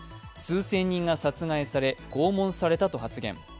数千人が殺害され拷問されたと発言。